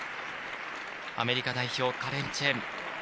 アメリカ代表、カレン・チェン。